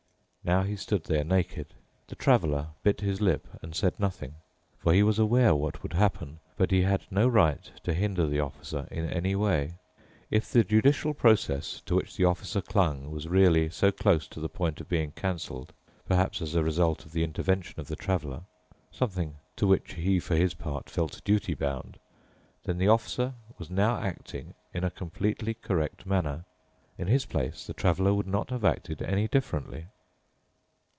Now he stood there naked. The Traveler bit his lip and said nothing. For he was aware what would happen, but he had no right to hinder the Officer in any way. If the judicial process to which the officer clung was really so close to the point of being cancelled—perhaps as a result of the intervention of the Traveler, something to which he for his part felt duty bound—then the Officer was now acting in a completely correct manner. In his place, the Traveler would not have acted any differently.